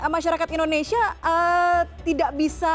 masyarakat indonesia tidak bisa